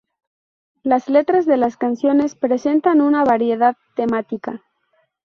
Las letras de las canciones presentan una variedad temática.